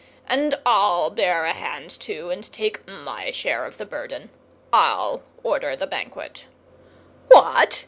And I'll bear a hand, too; and take my share of the burden. I'll order the Banquet." "What!"